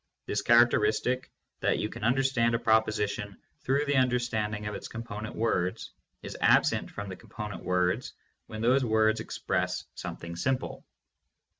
This charac teristic, that you can understand a proposition through the understanding of its component words, is absent from the component words when those words express something simple.